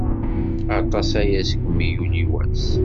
Aṭas aya segmi yuli wass.